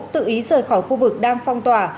tự ý rời khỏi khu vực đang phong tỏa